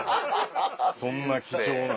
そんな貴重な。